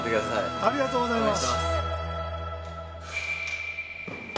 ありがとうございます